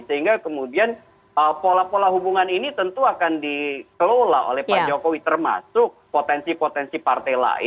sehingga kemudian pola pola hubungan ini tentu akan dikelola oleh pak jokowi termasuk potensi potensi partai lain